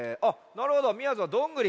なるほどみやぞんは「どんぐり」。